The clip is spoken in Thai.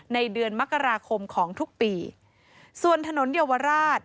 ในเดือนมกราคมของทุกปีส่วนถนนเยาวราช